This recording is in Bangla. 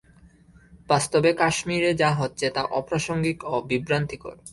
বাস্তবে কাশ্মীরে যা হচ্ছে, তা অপ্রাসঙ্গিক ও বিভ্রান্তিকর।